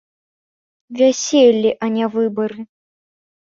Вяселле, а не выбары!